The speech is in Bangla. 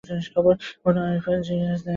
বনু হানীফার শীর্ষস্থানীয় এক সর্দার ছিলেন।